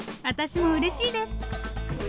私もうれしいです！